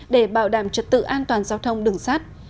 để bảo đảm trật tự an toàn giao thông đường sắt